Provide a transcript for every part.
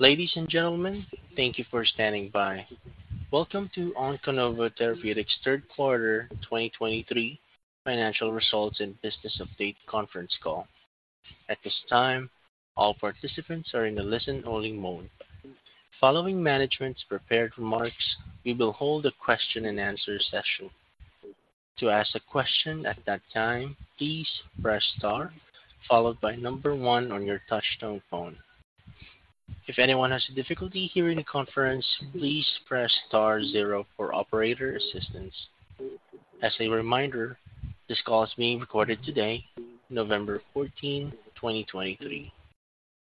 Ladies and gentlemen, thank you for standing by. Welcome to Onconova Therapeutics third quarter 2023 financial results and business update conference call. At this time, all participants are in the listen-only mode. Following management's prepared remarks, we will hold a question-and-answer session. To ask a question at that time, please press * followed by number 1 on your touch-tone phone. If anyone has difficulty hearing the conference, please press *0 for operator assistance. As a reminder, this call is being recorded today, November 14, 2023.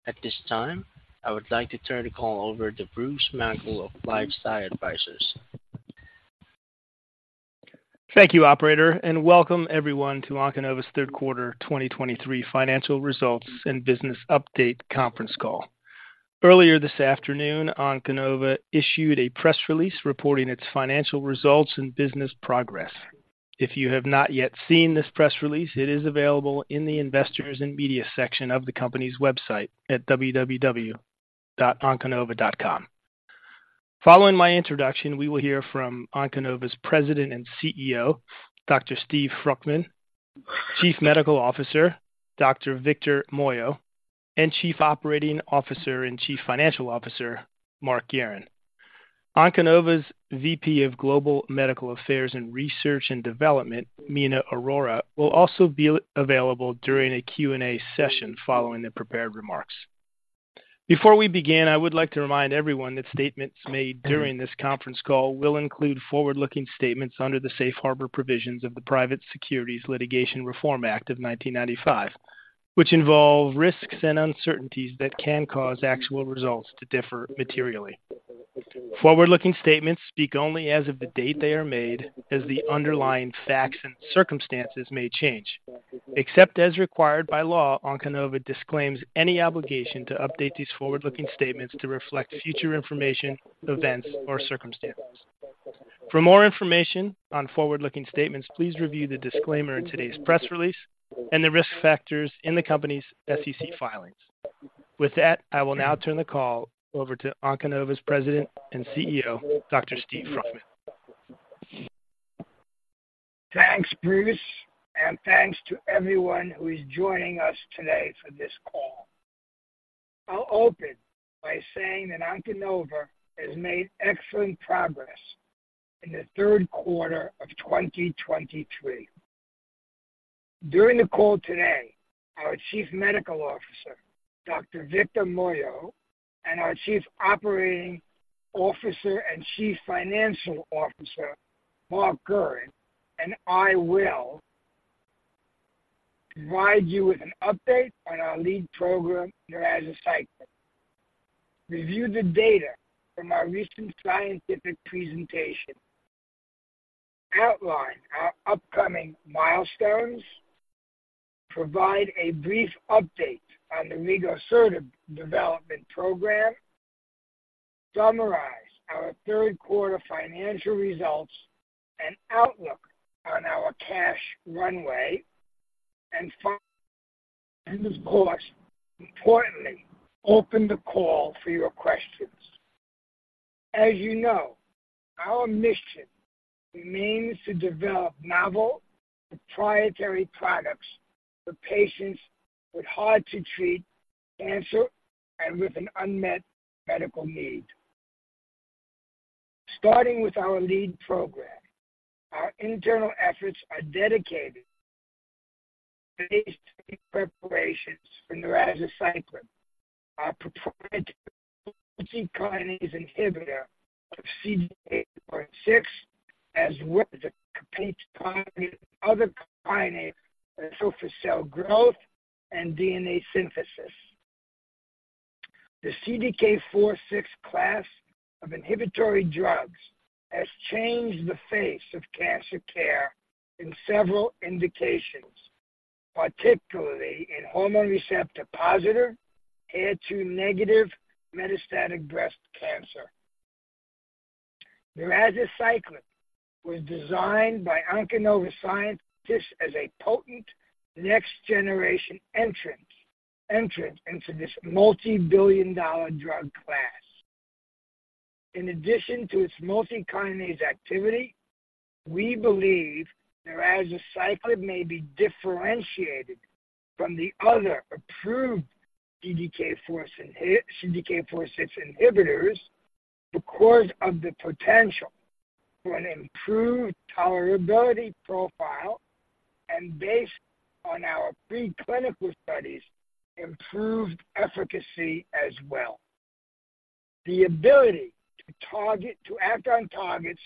At this time, I would like to turn the call over to Bruce Mackle of LifeSci Advisors. Thank you, operator, and welcome everyone to Onconova's third quarter 2023 financial results and business update conference call. Earlier this afternoon, Onconova issued a press release reporting its financial results and business progress. If you have not yet seen this press release, it is available in the investors and media section of the company's website at www.onconova.com. Following my introduction, we will hear from Onconova's President and CEO, Dr. Steve Fruchtman, Chief Medical Officer, Dr. Victor Moyo, and Chief Operating Officer and Chief Financial Officer, Mark Guerin. Onconova's VP of Global Medical Affairs and Research and Development, Meena Arora, will also be available during a Q&A session following the prepared remarks. Before we begin, I would like to remind everyone that statements made during this conference call will include forward-looking statements under the safe harbor provisions of the Private Securities Litigation Reform Act of 1995, which involve risks and uncertainties that can cause actual results to differ materially. Forward-looking statements speak only as of the date they are made, as the underlying facts and circumstances may change. Except as required by law, Onconova disclaims any obligation to update these forward-looking statements to reflect future information, events, or circumstances. For more information on forward-looking statements, please review the disclaimer in today's press release and the risk factors in the company's SEC filings. With that, I will now turn the call over to Onconova's president and CEO, Dr. Steve Fruchtman. Thanks, Bruce, and thanks to everyone who is joining us today for this call. I'll open by saying that Onconova has made excellent progress in the third quarter of 2023. During the call today, our Chief Medical Officer, Dr. Victor Moyo, and our Chief Operating Officer and Chief Financial Officer, Mark Guerin, and I will provide you with an update on our lead program, narazaciclib. Review the data from our recent scientific presentation. Outline our upcoming milestones. Provide a brief update on the rigosertib development program. Summarize our third quarter financial results and outlook on our cash runway. And finally, of course, importantly, open the call for your questions. As you know, our mission remains to develop novel proprietary products for patients with hard-to-treat cancer and with an unmet medical need. Starting with our lead program, our internal efforts are dedicated to phase 3 preparations for narazaciclib, our proprietary multikinase inhibitor of CDK4/6, as well as competing other kinase that focuses on cell growth and DNA synthesis. The CDK4/6 class of inhibitory drugs has changed the face of cancer care in several indications, particularly in hormone receptor-positive, HER2-negative metastatic breast cancer. Narazaciclib was designed by Onconova scientists as a potent next-generation entrant into this multi-billion-dollar drug class. In addition to its multikinase activity, we believe narazaciclib may be differentiated from the other approved CDK4/6 inhibitors because of the potential for an improved tolerability profile and, based on our preclinical studies, improved efficacy as well. The ability to act on targets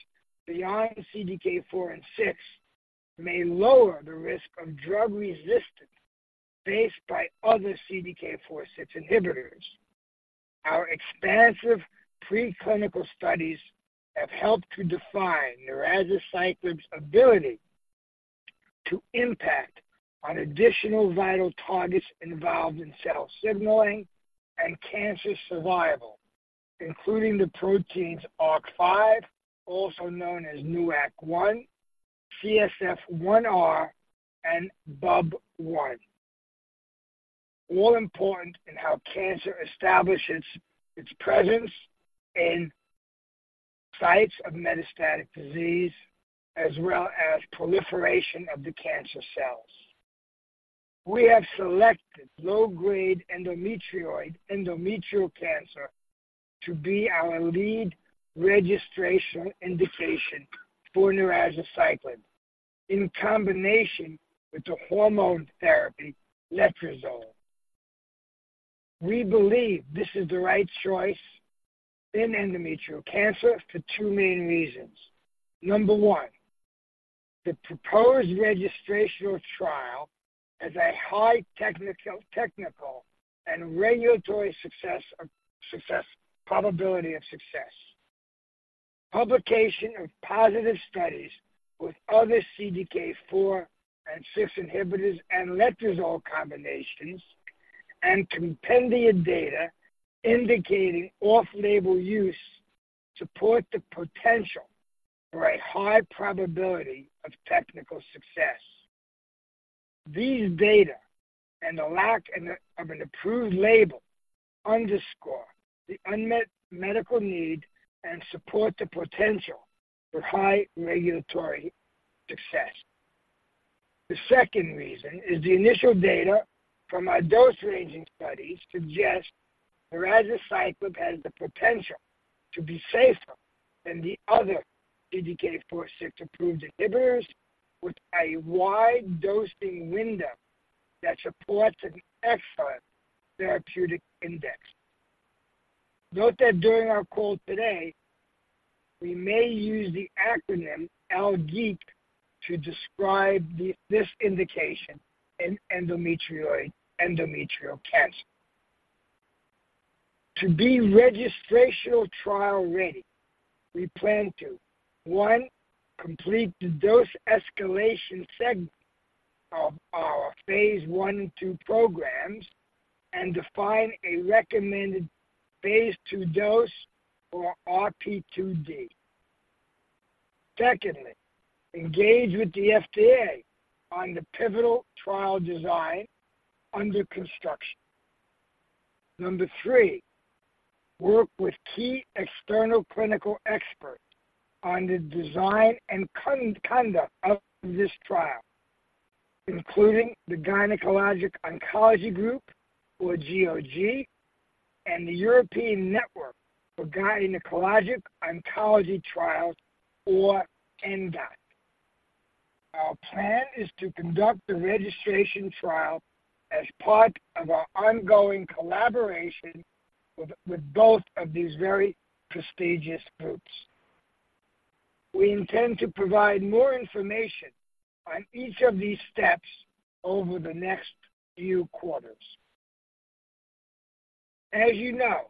beyond CDK4 and 6 may lower the risk of drug resistance faced by other CDK4/6 inhibitors. Our expansive preclinical studies have helped to define narazaciclib's ability to impact on additional vital targets involved in cell signaling and cancer survival, including the proteins ARK5, also known as NUAK1, CSF1R, and BUB1, all important in how cancer establishes its presence in sites of metastatic disease as well as proliferation of the cancer cells. We have selected low-grade endometrioid cancer to be our lead registration indication for narazaciclib in combination with the hormone therapy letrozole. We believe this is the right choice in endometrial cancer for two main reasons. Number one, the proposed registration trial has a high technical and regulatory probability of success. Publication of positive studies with other CDK4 and 6 inhibitors and letrozole combinations, and compendia data indicating off-label use, support the potential for a high probability of technical success. These data and the lack of an approved label underscore the unmet medical need and support the potential for high regulatory success. The second reason is the initial data from our dose-ranging studies suggest narazaciclib has the potential to be safer than the other CDK4/6 approved inhibitors, with a wide dosing window that supports an excellent therapeutic index. Note that during our call today, we may use the acronym LGEEC to describe this indication in endometrial cancer. To be registration trial-ready, we plan to, one, complete the dose escalation segment of our phase 1 and 2 programs and define a recommended phase 2 dose for RP2D. Secondly, engage with the FDA on the pivotal trial design under construction. Number three, work with key external clinical experts on the design and conduct of this trial, including the Gynecologic Oncology Group, or GOG, and the European Network for Gynaecological Oncology Trials, or ENGOT. Our plan is to conduct the registration trial as part of our ongoing collaboration with both of these very prestigious groups. We intend to provide more information on each of these steps over the next few quarters. As you know,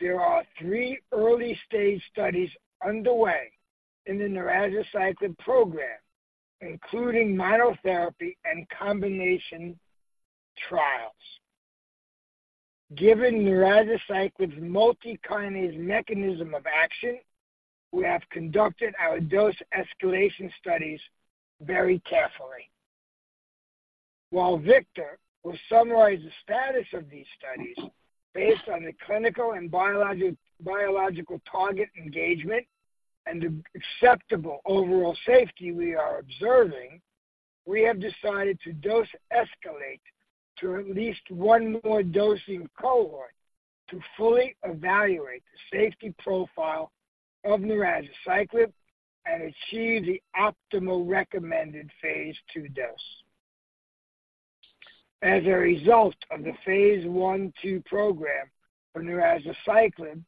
there are three early-stage studies underway in the narazaciclib program, including monotherapy and combination trials. Given narazaciclib's multikinase mechanism of action, we have conducted our dose escalation studies very carefully. While Victor will summarize the status of these studies based on the clinical and biological target engagement and the acceptable overall safety we are observing, we have decided to dose escalate to at least one more dosing cohort to fully evaluate the safety profile of narazaciclib and achieve the optimal recommended phase 2 dose. As a result, the phase 1 and 2 program for narazaciclib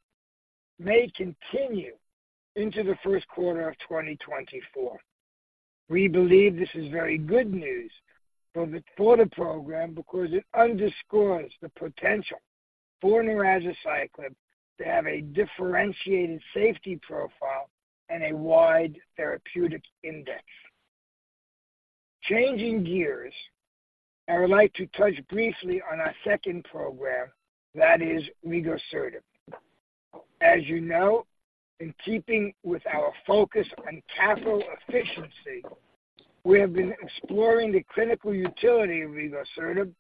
may continue into the first quarter of 2024. We believe this is very good news for the program because it underscores the potential for narazaciclib to have a differentiated safety profile and a wide therapeutic index. Changing gears, I would like to touch briefly on our second program, that is rigosertib. As you know, in keeping with our focus on capital efficiency, we have been exploring the clinical utility of rigosertib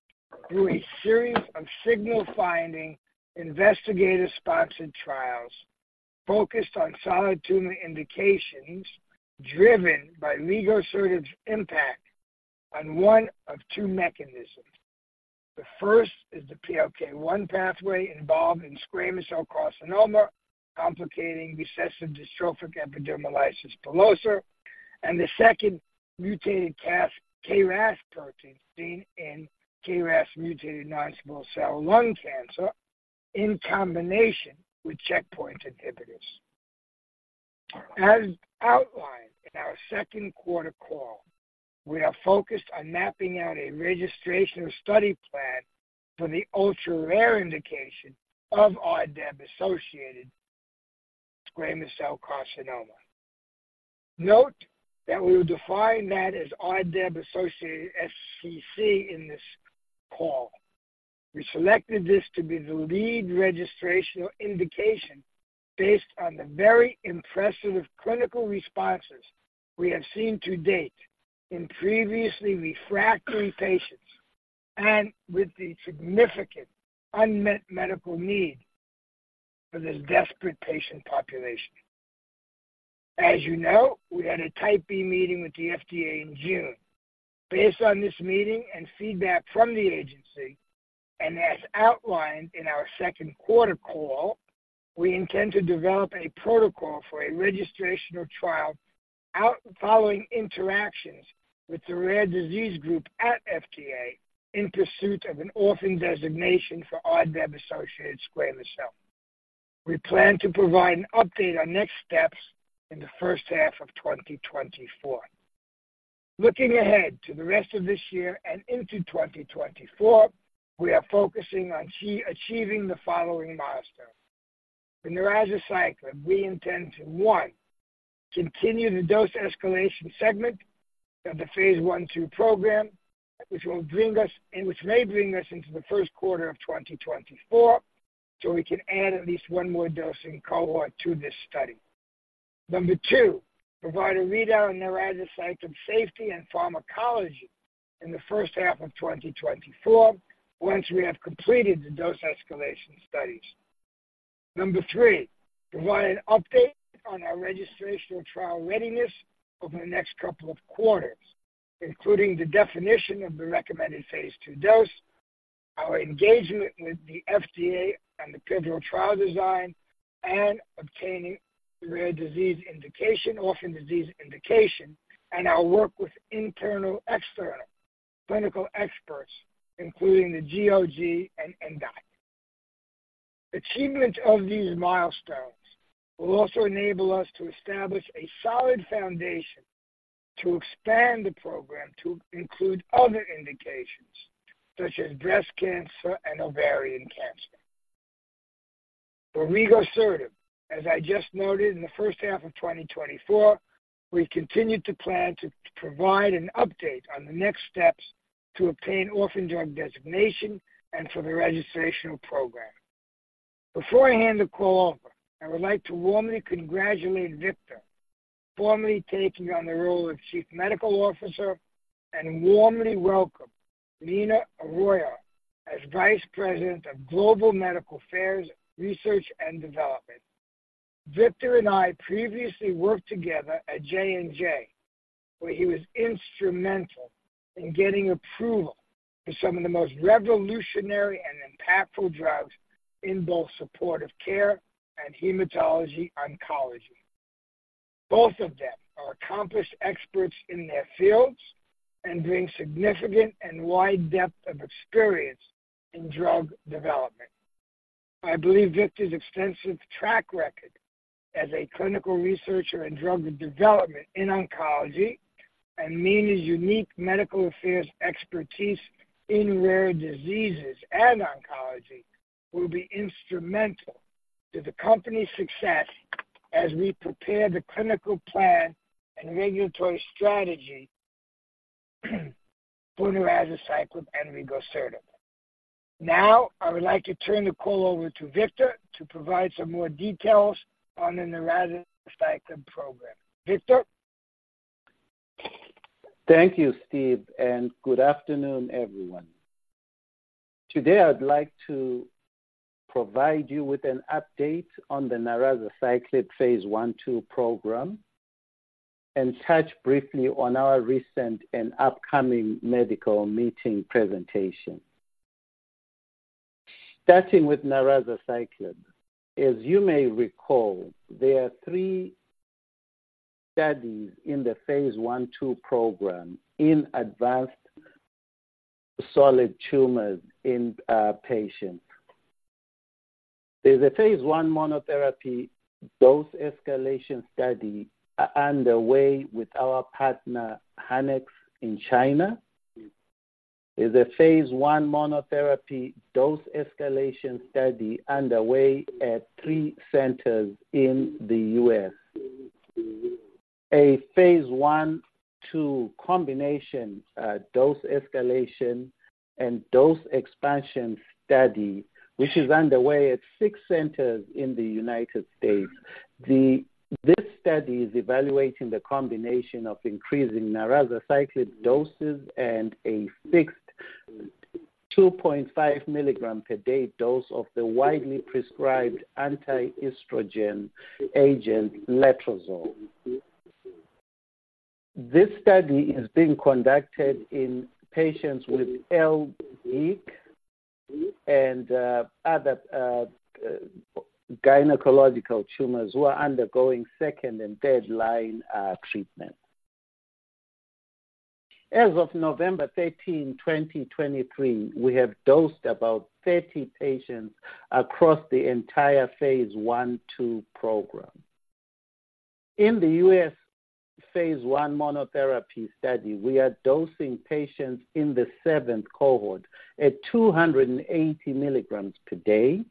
through a series of signal-finding investigator-sponsored trials focused on solid tumor indications driven by rigosertib's impact on one of two mechanisms. The first is the PLK1 pathway involved in squamous cell carcinoma complicating recessive dystrophic epidermolysis bullosa, and the second, mutated KRAS protein seen in KRAS mutated non-small cell lung cancer in combination with checkpoint inhibitors. As outlined in our second quarter call, we are focused on mapping out a registration study plan for the ultra-rare indication of RDEB-associated squamous cell carcinoma. Note that we will define that as RDEB-associated SCC in this call. We selected this to be the lead registration indication based on the very impressive clinical responses we have seen to date in previously refractory patients and with the significant unmet medical need for this desperate patient population. As you know, we had a Type B meeting with the FDA in June. Based on this meeting and feedback from the agency, and as outlined in our second quarter call, we intend to develop a protocol for a registration trial following interactions with the rare disease group at FDA in pursuit of an orphan designation for RDEB-associated squamous cell. We plan to provide an update on next steps in the first half of 2024. Looking ahead to the rest of this year and into 2024, we are focusing on achieving the following milestones. For narazaciclib, we intend to, 1, continue the dose escalation segment of the phase 1 and 2 program, which may bring us into the first quarter of 2024 so we can add at least 1 more dosing cohort to this study. 2, provide a readout on narazaciclib safety and pharmacology in the first half of 2024 once we have completed the dose escalation studies. 3, provide an update on our registration trial readiness over the next couple of quarters, including the definition of the recommended phase 2 dose, our engagement with the FDA on the pivotal trial design, and obtaining rare disease indication, orphan disease indication, and our work with internal/external clinical experts, including the GOG and ENGOT. Achievement of these milestones will also enable us to establish a solid foundation to expand the program to include other indications, such as breast cancer and ovarian cancer. For rigosertib, as I just noted, in the first half of 2024, we continue to plan to provide an update on the next steps to obtain orphan drug designation and for the registration program. Before I hand the call over, I would like to warmly congratulate Victor for formally taking on the role of Chief Medical Officer and warmly welcome Meena Arora as Vice President of Global Medical Affairs Research and Development. Victor and I previously worked together at J&J, where he was instrumental in getting approval for some of the most revolutionary and impactful drugs in both supportive care and hematology oncology. Both of them are accomplished experts in their fields and bring significant and wide depth of experience in drug development. I believe Victor's extensive track record as a clinical researcher in drug development in oncology and Meena's unique medical affairs expertise in rare diseases and oncology will be instrumental to the company's success as we prepare the clinical plan and regulatory strategy for narazaciclib and rigosertib. Now, I would like to turn the call over to Victor to provide some more details on the narazaciclib program. Victor? Thank you, Steve, and good afternoon, everyone. Today, I'd like to provide you with an update on the narazaciclib phase 1 and 2 program and touch briefly on our recent and upcoming medical meeting presentation. Starting with narazaciclib, as you may recall, there are three studies in the phase 1 and 2 program in advanced solid tumors in patients. There's a phase 1 monotherapy dose escalation study underway with our partner HanX in China. There's a phase 1 monotherapy dose escalation study underway at three centers in the U.S. A phase 1 and 2 combination dose escalation and dose expansion study, which is underway at six centers in the United States. This study is evaluating the combination of increasing narazaciclib doses and a fixed 2.5 milligram per day dose of the widely prescribed anti-estrogen agent letrozole. This study is being conducted in patients with LGEEC and other gynecological tumors who are undergoing second- and third-line treatment. As of November 13, 2023, we have dosed about 30 patients across the entire phase 1 and 2 program. In the U.S. phase 1 monotherapy study, we are dosing patients in the seventh cohort at 280 milligrams per day.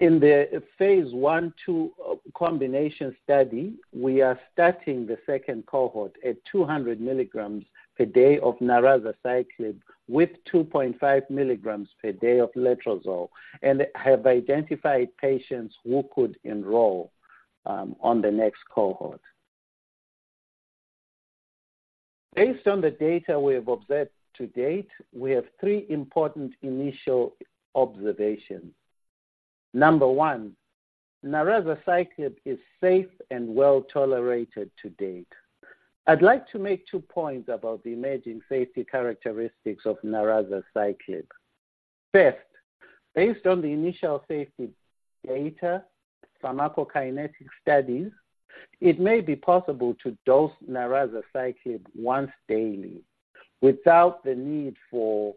In the phase 1 and 2 combination study, we are starting the second cohort at 200 milligrams per day of narazaciclib with 2.5 milligrams per day of letrozole and have identified patients who could enroll on the next cohort. Based on the data we have observed to date, we have three important initial observations. Number one, narazaciclib is safe and well tolerated to date. I'd like to make two points about the emerging safety characteristics of narazaciclib. First, based on the initial safety data, pharmacokinetic studies, it may be possible to dose narazaciclib once daily without the need for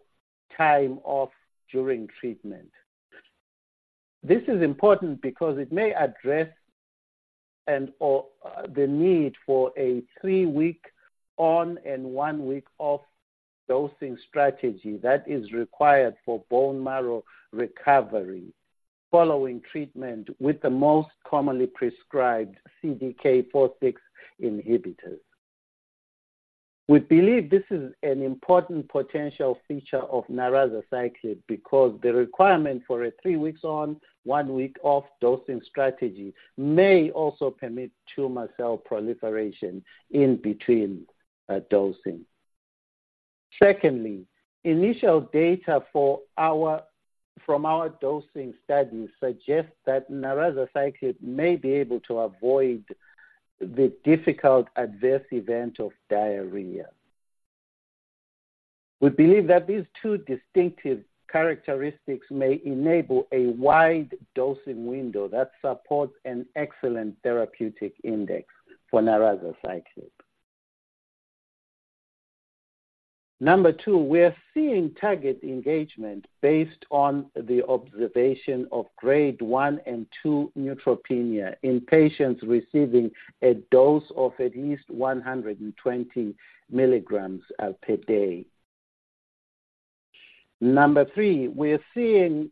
time off during treatment. This is important because it may address the need for a 3-week on and 1 week off dosing strategy that is required for bone marrow recovery following treatment with the most commonly prescribed CDK4/6 inhibitors. We believe this is an important potential feature of narazaciclib because the requirement for a 3-week on, 1 week off dosing strategy may also permit tumor cell proliferation in between dosing. Secondly, initial data from our dosing studies suggest that narazaciclib may be able to avoid the difficult adverse event of diarrhea. We believe that these two distinctive characteristics may enable a wide dosing window that supports an excellent therapeutic index for narazaciclib. Number 2, we are seeing target engagement based on the observation of grade 1 and 2 neutropenia in patients receiving a dose of at least 120 milligrams per day. Number 3, we are seeing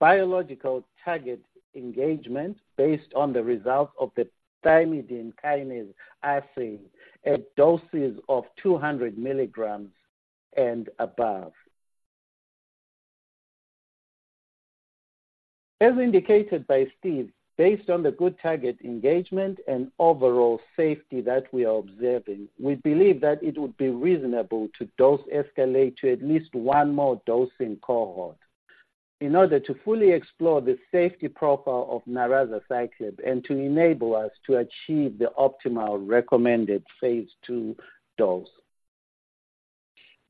biological target engagement based on the results of the thymidine kinase assay at doses of 200 milligrams and above. As indicated by Steve, based on the good target engagement and overall safety that we are observing, we believe that it would be reasonable to dose escalate to at least one more dosing cohort in order to fully explore the safety profile of narazaciclib and to enable us to achieve the optimal recommended phase 2 dose.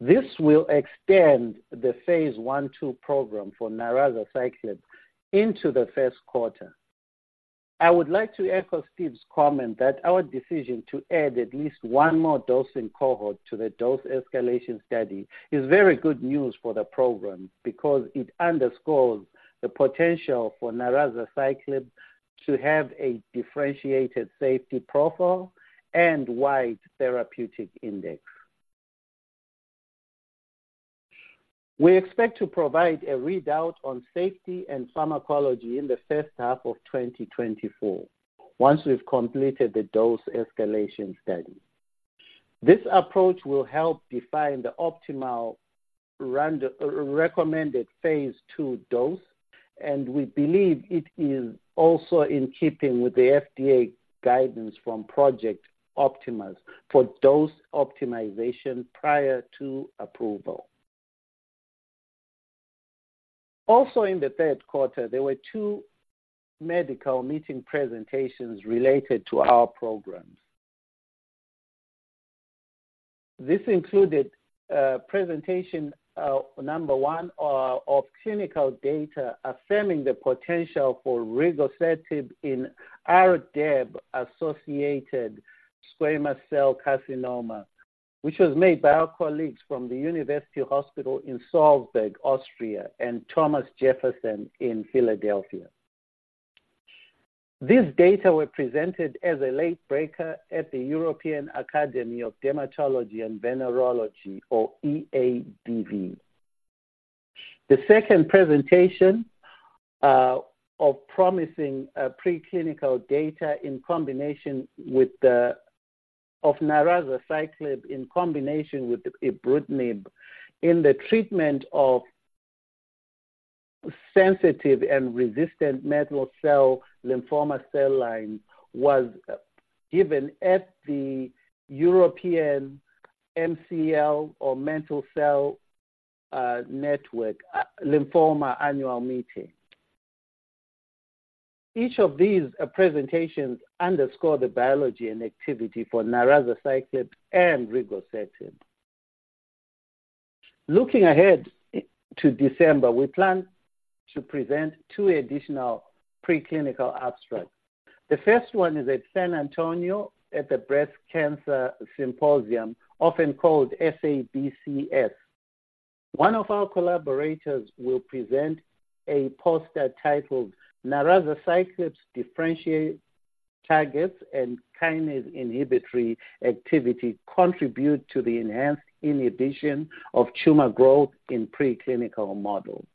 This will extend the phase 1 and 2 program for narazaciclib into the first quarter. I would like to echo Steve's comment that our decision to add at least one more dosing cohort to the dose escalation study is very good news for the program because it underscores the potential for narazaciclib to have a differentiated safety profile and wide therapeutic index. We expect to provide a readout on safety and pharmacology in the first half of 2024 once we've completed the dose escalation study. This approach will help define the optimal recommended phase 2 dose, and we believe it is also in keeping with the FDA guidance from Project Optimus for dose optimization prior to approval. Also, in the third quarter, there were two medical meeting presentations related to our programs. This included presentation number one of clinical data affirming the potential for rigosertib in RDEB-associated squamous cell carcinoma, which was made by our colleagues from the University Hospital in Salzburg, Austria, and Thomas Jefferson in Philadelphia. This data was presented as a late breaker at the European Academy of Dermatology and Venereology, or EADV. The second presentation of promising preclinical data in combination with narazaciclib in combination with ibrutinib in the treatment of sensitive and resistant mantle cell lymphoma cell lines was given at the European MCL, or Mantle Cell Lymphoma Network, annual meeting. Each of these presentations underscored the biology and activity for narazaciclib and rigosertib. Looking ahead to December, we plan to present two additional preclinical abstracts. The first one is at San Antonio at the Breast Cancer Symposium, often called SABCS. One of our collaborators will present a poster titled, "Narazaciclib's Differentiated Targets and Kinase Inhibitory Activity Contribute to the Enhanced Inhibition of Tumor Growth in Preclinical Models."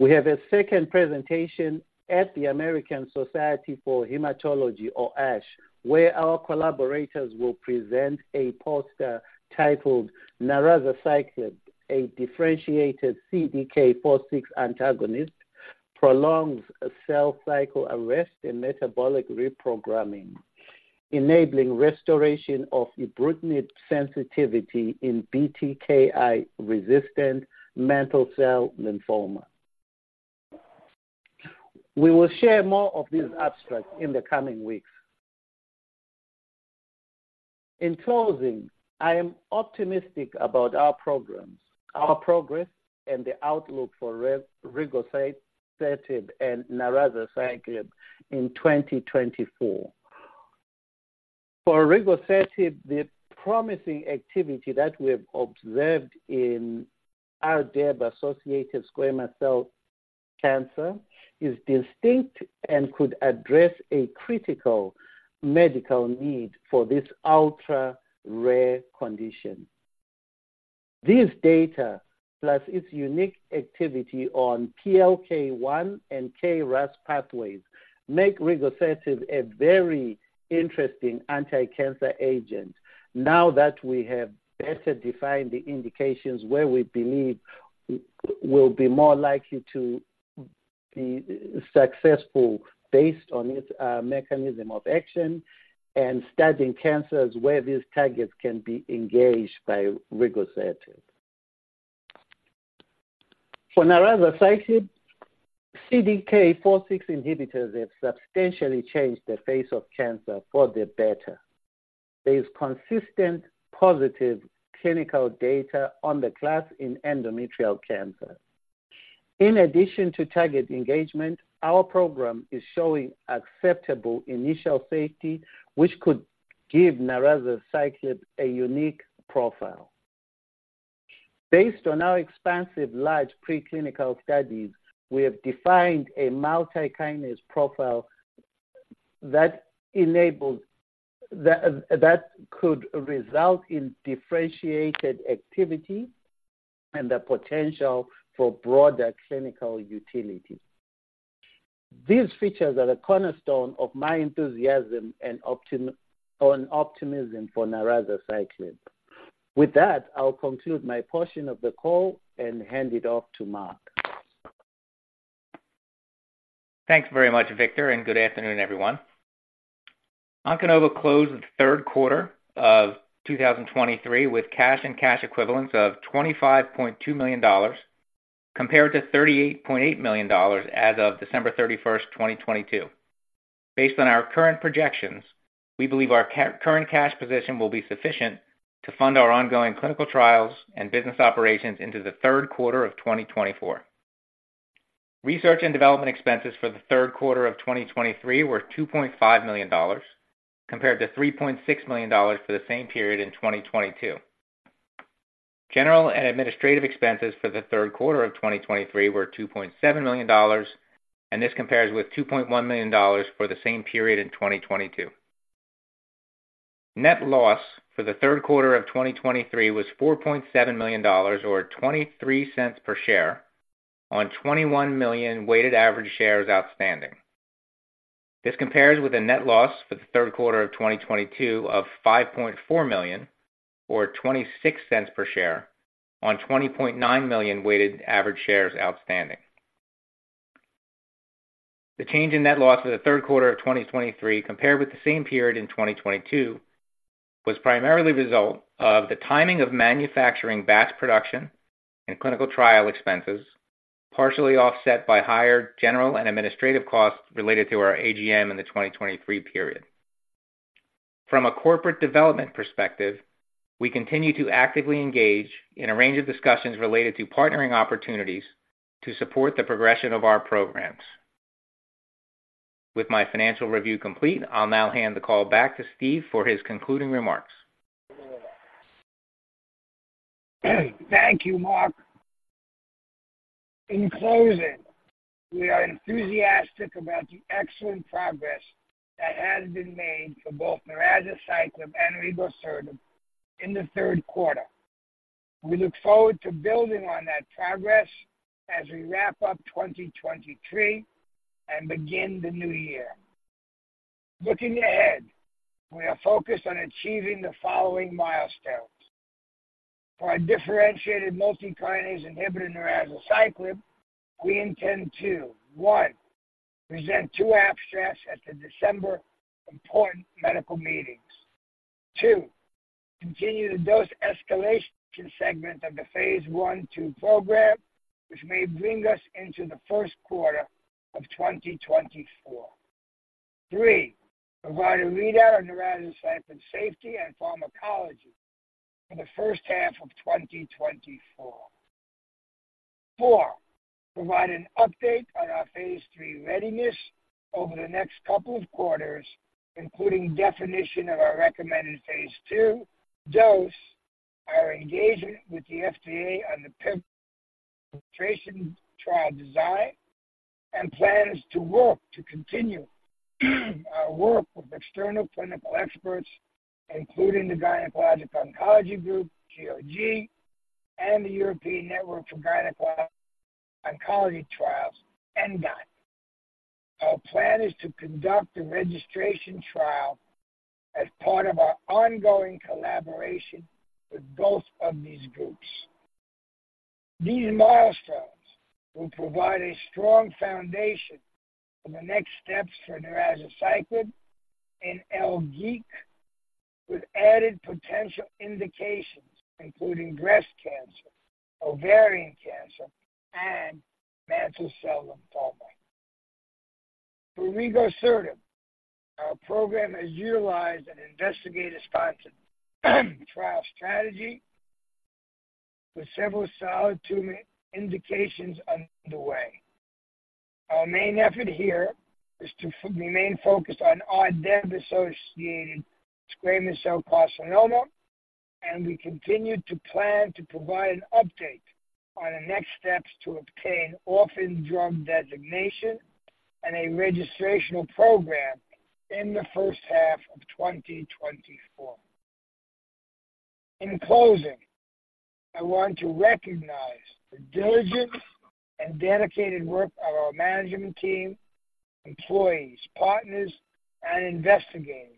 We have a second presentation at the American Society of Hematology, or ASH, where our collaborators will present a poster titled, "Narazaciclib: A Differentiated CDK4/6 Antagonist Prolongs Cell Cycle Arrest and Metabolic Reprogramming, Enabling Restoration of Ibrutinib Sensitivity in BTKI-Resistant Mantle Cell Lymphoma." We will share more of these abstracts in the coming weeks. In closing, I am optimistic about our programs, our progress, and the outlook for rigosertib and narazaciclib in 2024. For rigosertib, the promising activity that we have observed in RDEB-associated squamous cell cancer is distinct and could address a critical medical need for this ultra-rare condition. These data, plus its unique activity on PLK1 and KRAS pathways, make rigosertib a very interesting anti-cancer agent now that we have better defined the indications where we believe we'll be more likely to be successful based on its mechanism of action and studying cancers where these targets can be engaged by rigosertib. For narazaciclib, CDK4/6 inhibitors have substantially changed the face of cancer for the better. There is consistent positive clinical data on the class in endometrial cancer. In addition to target engagement, our program is showing acceptable initial safety, which could give narazaciclib a unique profile. Based on our expansive large preclinical studies, we have defined a multikinase profile that could result in differentiated activity and the potential for broader clinical utility. These features are the cornerstone of my enthusiasm and optimism for narazaciclib. With that, I'll conclude my portion of the call and hand it off to Mark. Thanks very much, Victor, and good afternoon, everyone. Onconova closed the third quarter of 2023 with cash and cash equivalents of $25.2 million compared to $38.8 million as of December 31, 2022. Based on our current projections, we believe our current cash position will be sufficient to fund our ongoing clinical trials and business operations into the third quarter of 2024. Research and development expenses for the third quarter of 2023 were $2.5 million compared to $3.6 million for the same period in 2022. General and administrative expenses for the third quarter of 2023 were $2.7 million, and this compares with $2.1 million for the same period in 2022. Net loss for the third quarter of 2023 was $4.7 million, or $0.23 per share, on 21 million weighted average shares outstanding. This compares with a net loss for the third quarter of 2022 of $5.4 million, or $0.26 per share, on 20.9 million weighted average shares outstanding. The change in net loss for the third quarter of 2023 compared with the same period in 2022 was primarily a result of the timing of manufacturing batch production and clinical trial expenses, partially offset by higher general and administrative costs related to our AGM in the 2023 period. From a corporate development perspective, we continue to actively engage in a range of discussions related to partnering opportunities to support the progression of our programs. With my financial review complete, I'll now hand the call back to Steve for his concluding remarks. Thank you, Mark. In closing, we are enthusiastic about the excellent progress that has been made for both narazaciclib and rigosertib in the third quarter. We look forward to building on that progress as we wrap up 2023 and begin the new year. Looking ahead, we are focused on achieving the following milestones. For our differentiated multikinase inhibitor narazaciclib, we intend to: 1, present 2 abstracts at the December important medical meetings. 2, continue the dose escalation segment of the phase 1 and 2 program, which may bring us into the first quarter of 2024. 3, provide a readout on narazaciclib safety and pharmacology for the first half of 2024. Fourth, provide an update on our phase 3 readiness over the next couple of quarters, including definition of our recommended phase 2 dose, our engagement with the FDA on the pivotal registration trial design, and plans to continue our work with external clinical experts, including the Gynecologic Oncology Group, GOG, and the European Network for Gynecological Oncology Trials, ENGOT. Our plan is to conduct a registration trial as part of our ongoing collaboration with both of these groups. These milestones will provide a strong foundation for the next steps for narazaciclib in LGEEC with added potential indications, including breast cancer, ovarian cancer, and mantle cell lymphoma. For rigosertib, our program has utilized an investigator-sponsored trial strategy with several solid indications underway. Our main effort here is to remain focused on RDEB-associated squamous cell carcinoma, and we continue to plan to provide an update on the next steps to obtain orphan drug designation and a registration program in the first half of 2024. In closing, I want to recognize the diligent and dedicated work of our management team, employees, partners, and investigators,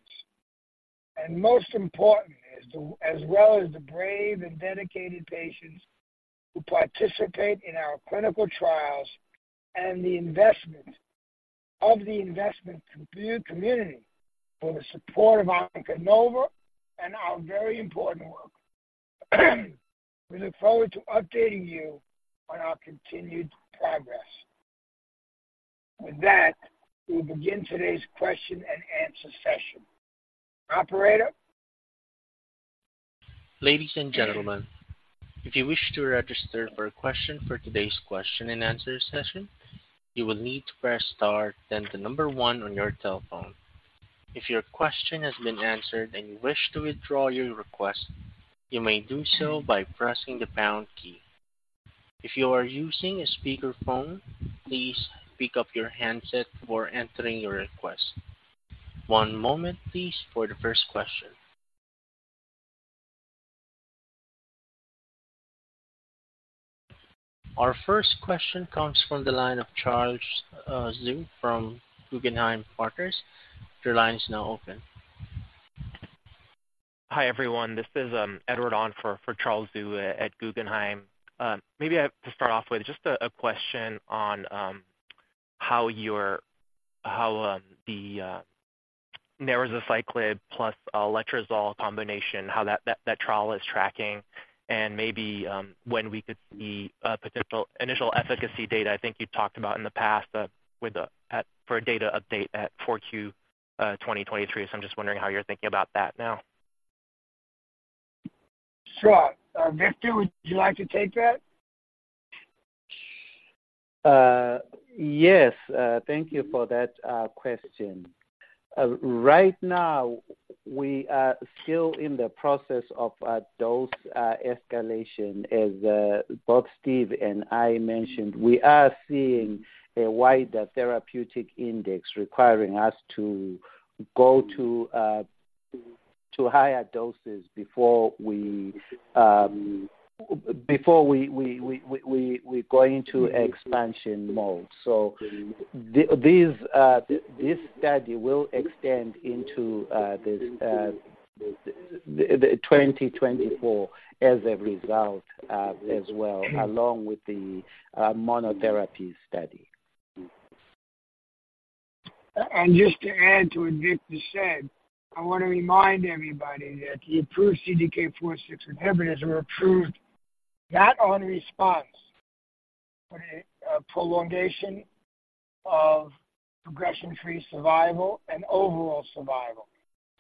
and most importantly, as well as the brave and dedicated patients who participate in our clinical trials and the investment of the investment community for the support of Onconova and our very important work. We look forward to updating you on our continued progress. With that, we will begin today's question-and-answer session. Operator? Ladies and gentlemen, if you wish to register for a question for today's question-and-answer session, you will need to press star, then the number one on your telephone. If your question has been answered and you wish to withdraw your request, you may do so by pressing the pound key. If you are using a speakerphone, please pick up your handset before entering your request. One moment, please, for the first question. Our first question comes from the line of Charles Zhu from Guggenheim Securities. Your line is now open. Hi everyone, this is Edward on for Charles Zhu at Guggenheim. Maybe to start off with, just a question on how the narazaciclib plus letrozole combination, how that trial is tracking, and maybe when we could see potential initial efficacy data. I think you talked about in the past for a data update at 4Q 2023, so I'm just wondering how you're thinking about that now. Sure. Victor, would you like to take that? Yes, thank you for that question. Right now, we are still in the process of dose escalation, as both Steve and I mentioned. We are seeing a wider therapeutic index requiring us to go to higher doses before we go into expansion mode. So this study will extend into 2024 as a result as well, along with the monotherapy study. Just to add to what Victor said, I want to remind everybody that the approved CDK4/6 inhibitors were approved not on response, for prolongation of progression-free survival and overall survival.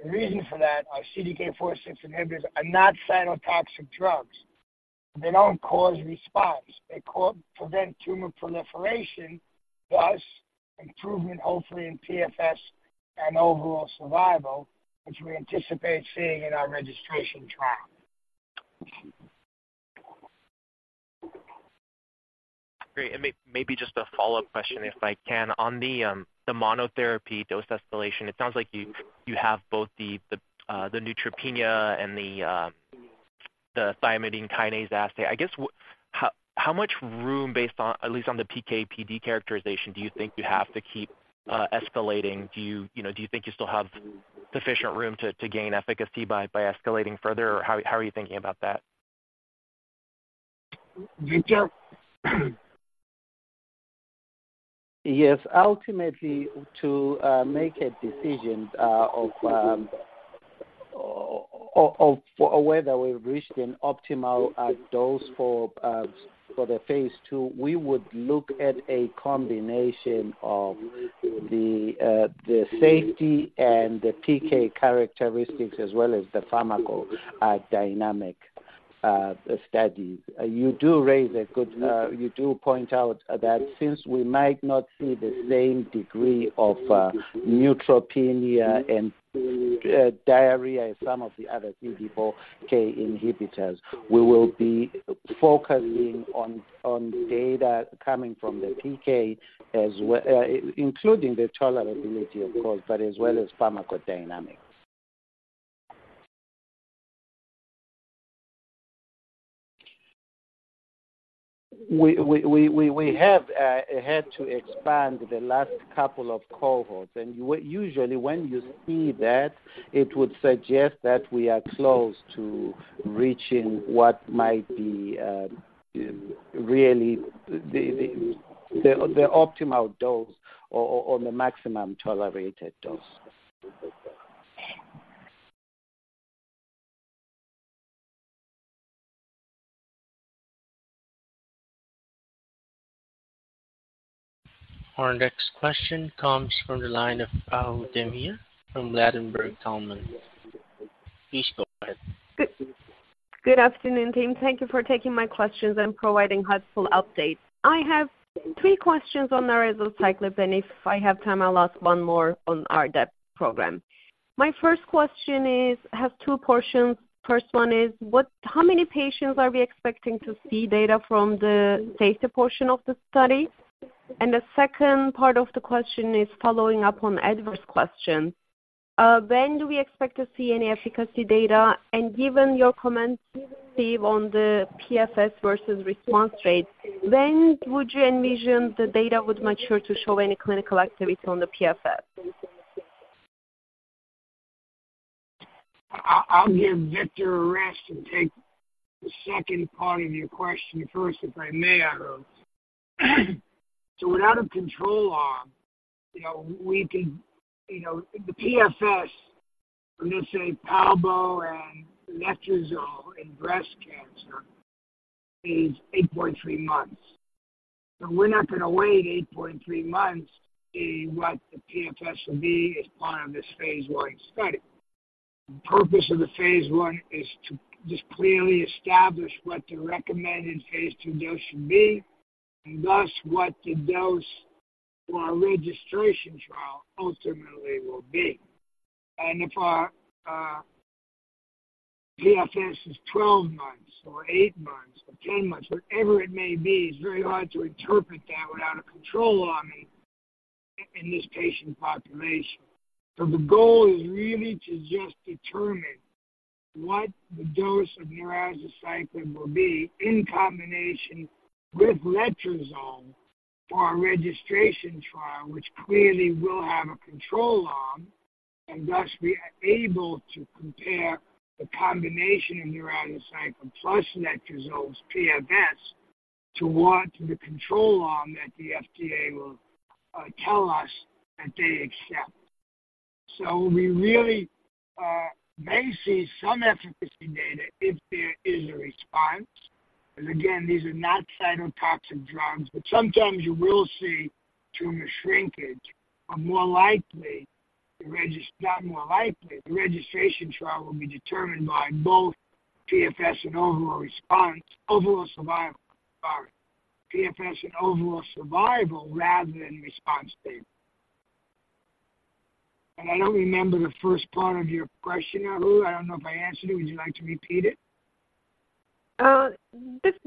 The reason for that is CDK4/6 inhibitors are not cytotoxic drugs. They don't cause response. They prevent tumor proliferation, thus, improvement, hopefully, in PFS and overall survival, which we anticipate seeing in our registration trial. Great. And maybe just a follow-up question, if I can. On the monotherapy dose escalation, it sounds like you have both the neutropenia and the thymidine kinase assay. I guess, how much room, at least on the PK/PD characterization, do you think you have to keep escalating? Do you think you still have sufficient room to gain efficacy by escalating further, or how are you thinking about that? Victor? Yes. Ultimately, to make a decision whether we've reached an optimal dose for the phase 2, we would look at a combination of the safety and the PK characteristics as well as the pharmacodynamic studies. You do raise a good point out that since we might not see the same degree of neutropenia and diarrhea as some of the other CDK4 inhibitors, we will be focusing on data coming from the PK, including the tolerability, of course, but as well as pharmacodynamics. We have had to expand the last couple of cohorts, and usually, when you see that, it would suggest that we are close to reaching what might be really the optimal dose or the maximum tolerated dose. Our next question comes from the line of Ahu Demir from Ladenburg Thalmann. Please go ahead. Good afternoon, team. Thank you for taking my questions and providing helpful updates. I have three questions on narazaciclib, and if I have time, I'll ask one more on RDEB program. My first question has two portions. First one is, how many patients are we expecting to see data from the safety portion of the study? And the second part of the question is following up on Edward's question. When do we expect to see any efficacy data? And given your comments, Steve, on the PFS versus response rate, when would you envision the data would mature to show any clinical activity on the PFS? I'll give Victor a rest and take the second part of your question first, if I may, I hope. So without a control arm, we can't see the PFS. I'm going to say palbo and letrozole in breast cancer is 8.3 months. So we're not going to wait 8.3 months to see what the PFS will be as part of this phase 1 study. The purpose of the phase 1 is to just clearly establish what the recommended phase 2 dose should be and thus what the dose for our registration trial ultimately will be. And if our PFS is 12 months or eight months or 10 months, whatever it may be, it's very hard to interpret that without a control arm in this patient population. So the goal is really to just determine what the dose of narazaciclib will be in combination with letrozole for our registration trial, which clearly will have a control arm, and thus be able to compare the combination of narazaciclib plus letrozole's PFS to the control arm that the FDA will tell us that they accept. So we really may see some efficacy data if there is a response. And again, these are not cytotoxic drugs, but sometimes you will see tumor shrinkage. But more likely, the registration trial will be determined by both PFS and overall survival, sorry, PFS and overall survival rather than response data. And I don't remember the first part of your question, Ahu. I don't know if I answered it. Would you like to repeat it?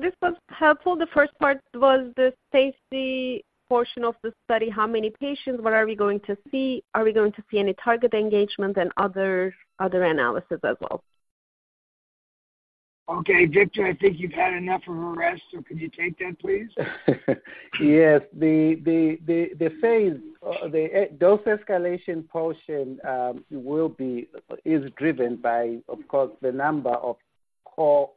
This was helpful. The first part was the safety portion of the study, how many patients, what are we going to see, are we going to see any target engagement, and other analysis as well. Okay. Victor, I think you've had enough of a rest, so could you take that, please? Yes. The dose escalation portion is driven by, of course, the number of cohorts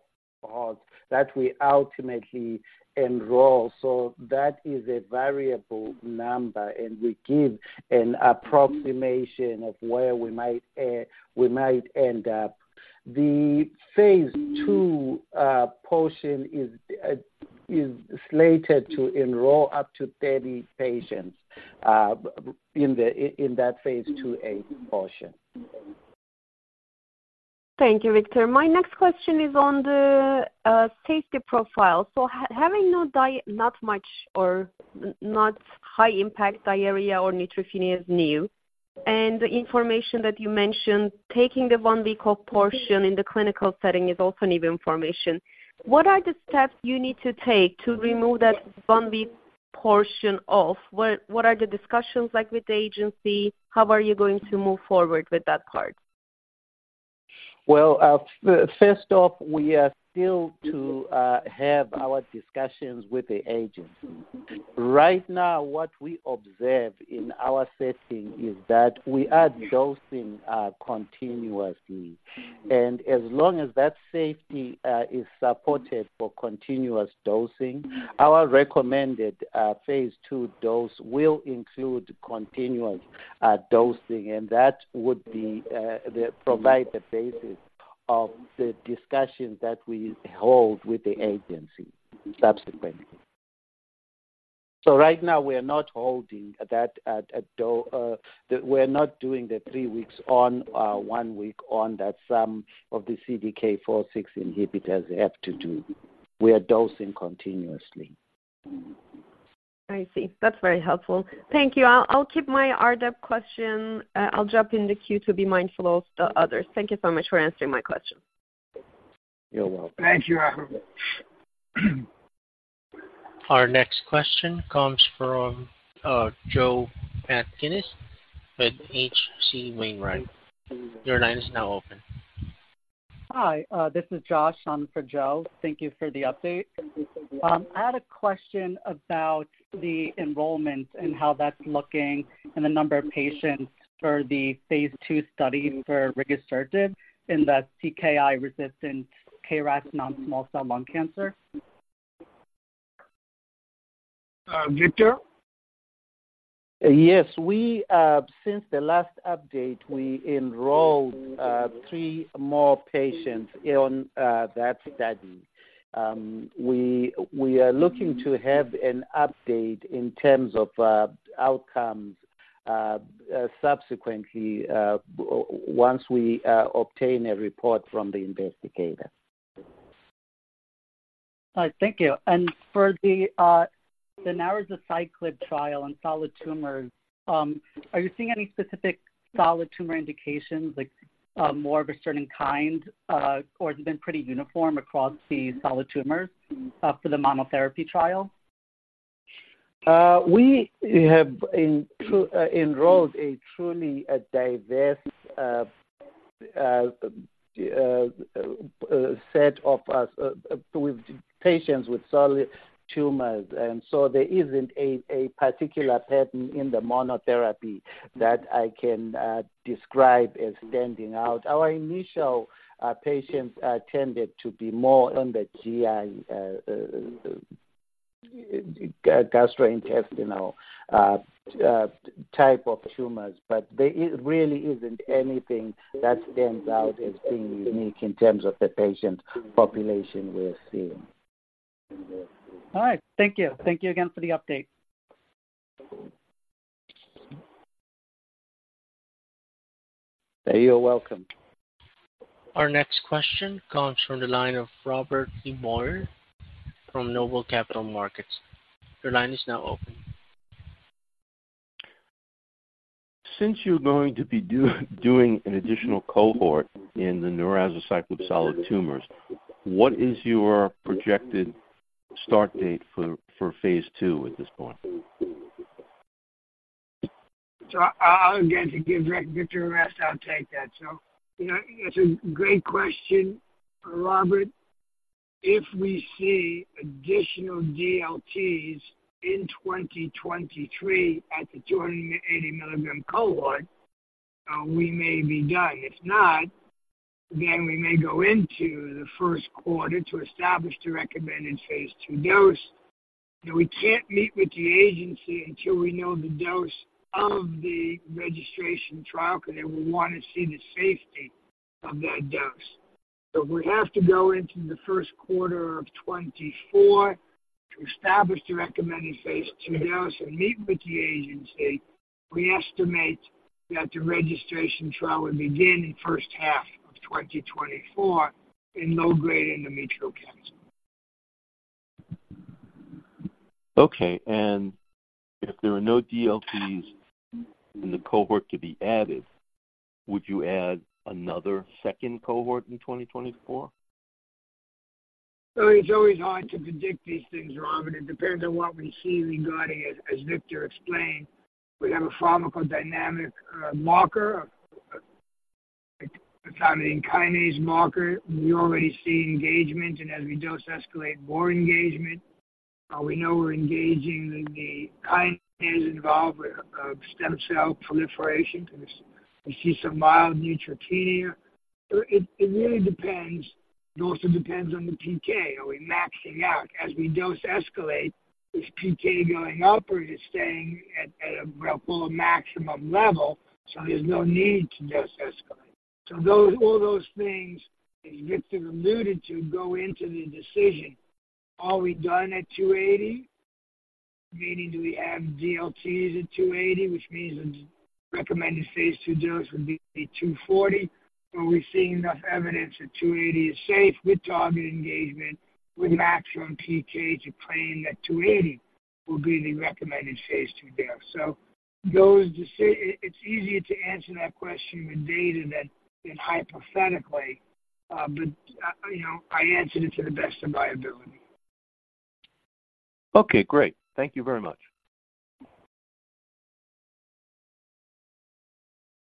that we ultimately enroll. So that is a variable number, and we give an approximation of where we might end up. The phase 2 portion is slated to enroll up to 30 patients in that phase 2A portion. Thank you, Victor. My next question is on the safety profile. So having not much or not high-impact diarrhea or neutropenia is new, and the information that you mentioned, taking the one-week-old portion in the clinical setting is also new information. What are the steps you need to take to remove that one-week portion off? What are the discussions with the agency? How are you going to move forward with that part? Well, first off, we are still to have our discussions with the agency. Right now, what we observe in our setting is that we are dosing continuously. As long as that safety is supported for continuous dosing, our recommended phase two dose will include continuous dosing, and that would provide the basis of the discussions that we hold with the agency subsequently. So right now, we are not holding that we are not doing the three weeks on, one week on that some of the CDK4/6 inhibitors have to do. We are dosing continuously. I see. That's very helpful. Thank you. I'll keep my RDEB question. I'll jump in the queue to be mindful of the others. Thank you so much for answering my question. You're welcome. Thank you, Ahu. Our next question comes from Joe Atkins with H.C. Wainwright. Your line is now open. Hi. This is Josh on for Joe. Thank you for the update. I had a question about the enrollment and how that's looking and the number of patients for the phase 2 study for rigosertib in the CKI-resistant KRAS non-small cell lung cancer. Victor? Yes. Since the last update, we enrolled three more patients in that study. We are looking to have an update in terms of outcomes subsequently once we obtain a report from the investigator. All right. Thank you. And for the narazaciclib trial and solid tumors, are you seeing any specific solid tumor indications, more of a certain kind, or has it been pretty uniform across the solid tumors for the monotherapy trial? We have enrolled a truly diverse set of patients with solid tumors, and so there isn't a particular pattern in the monotherapy that I can describe as standing out. Our initial patients tended to be more on the GI gastrointestinal type of tumors, but there really isn't anything that stands out as being unique in terms of the patient population we're seeing. All right. Thank you. Thank you again for the update. You're welcome. Our next question comes from the line of Robert LeBoyer from Noble Capital Markets. Your line is now open. Since you're going to be doing an additional cohort in the narazaciclib solid tumors, what is your projected start date for phase 2 at this point? So again, to give Victor a rest, I'll take that. So it's a great question. Robert, if we see additional DLTs in 2023 at the 280 mg cohort, we may be done. If not, then we may go into the first quarter to establish the recommended phase 2 dose. Now, we can't meet with the agency until we know the dose of the registration trial because then we'll want to see the safety of that dose. So if we have to go into the first quarter of 2024 to establish the recommended phase 2 dose and meet with the agency, we estimate that the registration trial would begin in first half of 2024 in low-grade endometrial cancer. Okay. And if there were no DLTs in the cohort to be added, would you add another second cohort in 2024? So it's always hard to predict these things, Robert. It depends on what we see regarding, as Victor explained. We have a pharmacodynamic marker, a thymidine kinase marker. We already see engagement, and as we dose escalate, more engagement. We know we're engaging the kinase involved with stem cell proliferation. We see some mild neutropenia. So it really depends. It also depends on the PK. Are we maxing out? As we dose escalate, is PK going up, or is it staying at a, well, call it maximum level, so there's no need to dose escalate? So all those things, as Victor alluded to, go into the decision. Are we done at 280? Meaning, do we have DLTs at 280, which means the recommended phase two dose would be 240? Are we seeing enough evidence that 280 is safe with target engagement, with maximum PK to claim that 280 will be the recommended Phase 2 dose? So it's easier to answer that question with data than hypothetically, but I answered it to the best of my ability. Okay. Great. Thank you very much.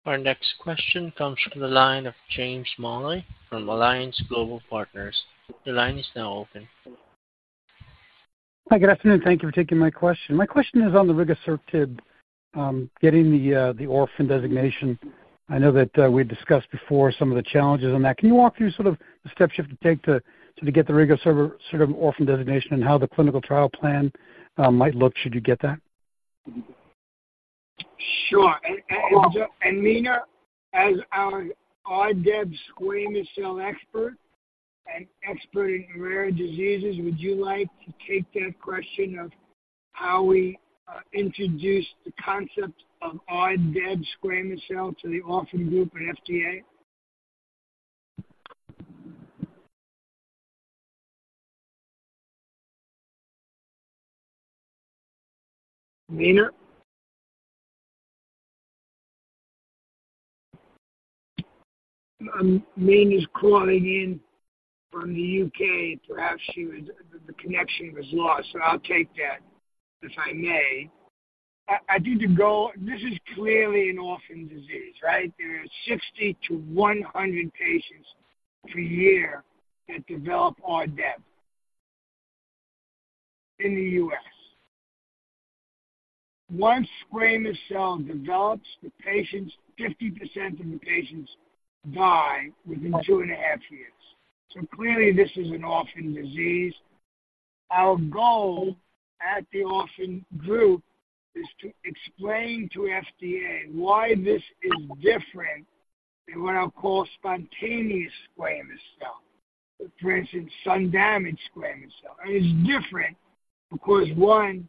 Our next question comes from the line of James Molloy from Alliance Global Partners. Your line is now open. Hi. Good afternoon. Thank you for taking my question. My question is on the rigosertib getting the orphan designation. I know that we had discussed before some of the challenges on that. Can you walk through sort of the steps you have to take to get the rigosertib orphan designation and how the clinical trial plan might look should you get that? Sure. And Mina, as our RDEB squamous cell expert and expert in rare diseases, would you like to take that question of how we introduce the concept of RDEB squamous cell to the orphan group at FDA? Mina? Mina's calling in from the U.K. Perhaps the connection was lost, so I'll take that if I may. I do the goal this is clearly an orphan disease, right? There are 60-100 patients per year that develop RDEB in the U.S. Once squamous cell develops, 50% of the patients die within two and a half years. So clearly, this is an orphan disease. Our goal at the orphan group is to explain to FDA why this is different than what I'll call spontaneous squamous cell, for instance, sun-damaged squamous cell. And it's different because, one,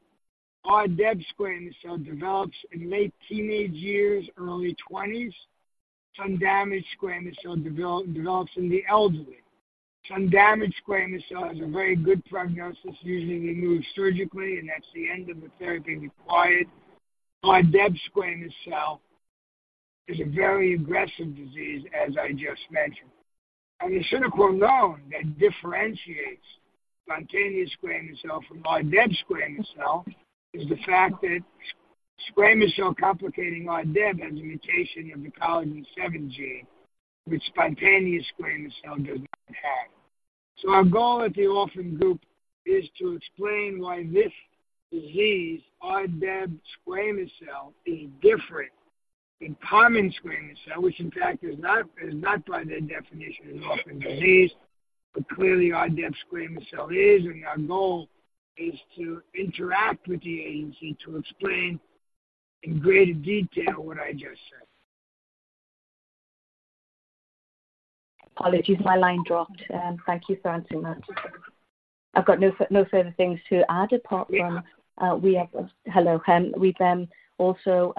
RDEB squamous cell develops in late teenage years, early 20s. Sun-damaged squamous cell develops in the elderly. Sun-damaged squamous cell has a very good prognosis. Usually, we remove surgically, and that's the end of the therapy required. RDEB squamous cell is a very aggressive disease, as I just mentioned. The clinical canon that differentiates spontaneous squamous cell from RDEB squamous cell is the fact that squamous cell complicating RDEB has a mutation of the collagen 7 gene, which spontaneous squamous cell does not have. So our goal at the orphan group is to explain why this disease, RDEB squamous cell, is different than common squamous cell, which, in fact, is not by their definition an orphan disease, but clearly, RDEB squamous cell is. Our goal is to interact with the agency to explain in greater detail what I just said. Apologies, my line dropped. Thank you so, so much. I've got no further things to add apart from we have hello, Hem. We've also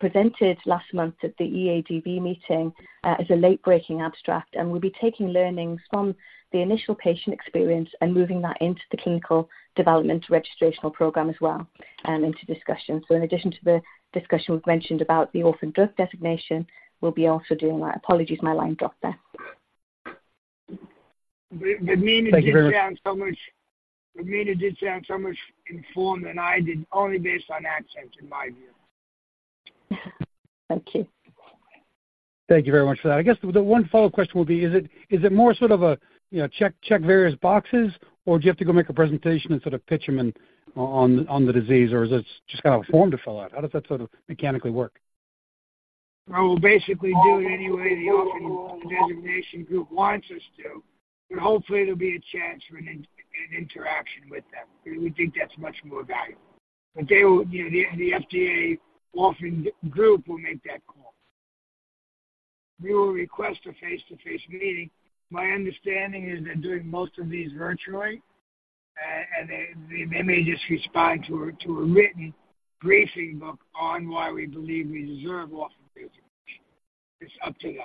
presented last month at the EADV meeting as a late-breaking abstract, and we'll be taking learnings from the initial patient experience and moving that into the clinical development registration program as well and into discussion. In addition to the discussion we've mentioned about the orphan drug designation, we'll be also doing that. Apologies, my line dropped there. But Meena, you sound so much more informed than I did, only based on accents, in my view. Thank you. Thank you very much for that. I guess the one follow-up question will be, is it more sort of a check various boxes, or do you have to go make a presentation and sort of pitch them on the disease, or is it just kind of a form to fill out? How does that sort of mechanically work? Well, we'll basically do it anyway the orphan designation group wants us to, but hopefully, there'll be a chance for an interaction with them. We think that's much more valuable. The FDA orphan group will make that call. We will request a face-to-face meeting. My understanding is they're doing most of these virtually, and they may just respond to a written briefing book on why we believe we deserve orphan designation. It's up to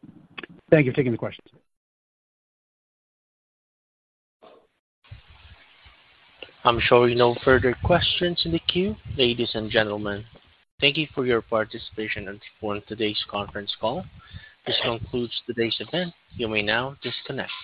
them. Thank you for taking the question. I'm sure we have no further questions in the queue, ladies and gentlemen. Thank you for your participation and supporting today's conference call. This concludes today's event. You may now disconnect.